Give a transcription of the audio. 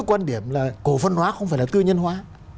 quan điểm là cổ phân hóa không phải là tư nhân hóa